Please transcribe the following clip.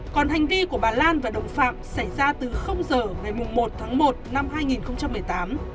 còn hành vi của bà lan và đồng phạm xảy ra từ giờ ngày một tháng một năm hai nghìn một mươi tám